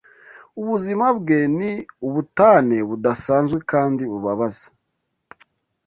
Ubuzima bwe ni ubutane budasanzwe kandi bubabaza